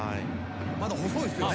まだ細いっすよね。